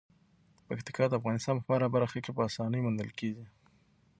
پکتیکا د افغانستان په هره برخه کې په اسانۍ موندل کېږي.